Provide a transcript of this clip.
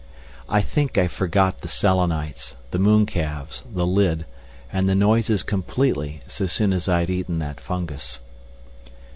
I think I forgot the Selenites, the mooncalves, the lid, and the noises completely so soon as I had eaten that fungus.